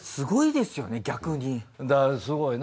すごいな。